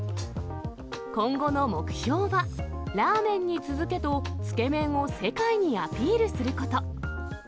今後の目標は、ラーメンに続けと、つけ麺を世界にアピールすること。